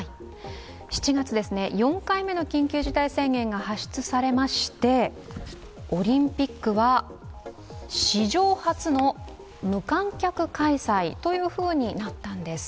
７月、４回目の緊急事態宣言が発出されましてオリンピックは史上初の無観客開催となったんです。